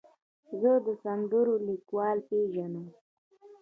زه د سندرو لیکوال پیژنم.